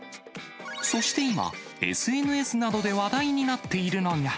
そして今、ＳＮＳなどで話題になっているのが。